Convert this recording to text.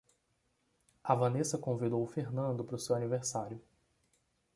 A Vanessa convidou o Fernando pro seu aniversário.